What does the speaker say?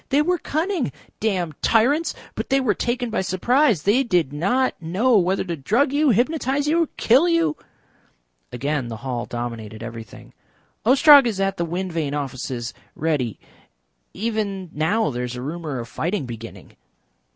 They were cunning. Damned tyrants! But they were taken by surprise. They did not know whether to drug you, hypnotise you, kill you." Again the hall dominated everything. "Ostrog is at the wind vane offices ready . Even now there is a rumour of fighting beginning."